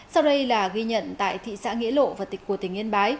sau đây là ghi nhận tại thị xã nghĩa lộ và tịch của tỉnh yên bái